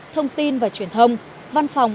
thông tin và truyền thông văn phòng